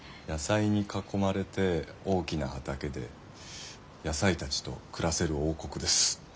野菜に囲まれて大きな畑で野菜たちと暮らせる王国です。